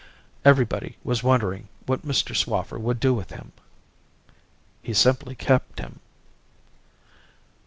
Everybody was wondering what Mr. Swaffer would do with him. "He simply kept him.